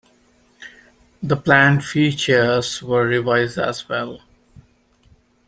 The planned features were revised as well.